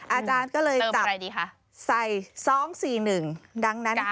อาจารย์ก็เลยจับใส่๒๔๑ดังนั้นนะคะ